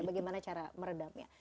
bagaimana cara meredamnya